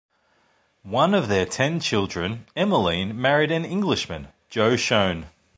One of their ten children, Emaline, married an Englishman - Joe Shone.